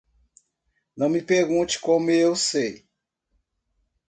Não me pergunte como eu sei.